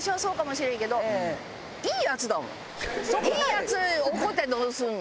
いいヤツ怒ってどうするの？